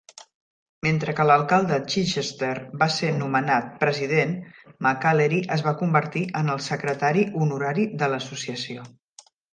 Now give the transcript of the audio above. Mentre que l'alcalde Chichester va ser nomenat president, McAlery es va convertir en el secretari honorari de l'associació.